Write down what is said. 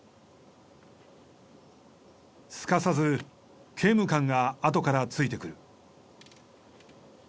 すかさず刑務官があとからついてくる。